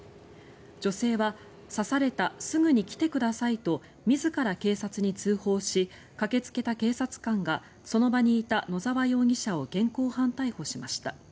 女性は、刺されたすぐに来てくださいと自ら警察に通報し駆けつけた警察官がその場にいた野澤容疑者を現行犯逮捕しました。